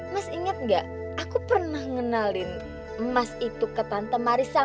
mas inget gak aku pernah ngenalin emas itu ke tante marissa